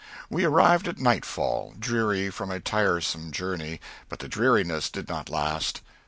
We arrived at nightfall, dreary from a tiresome journey; but the dreariness did not last.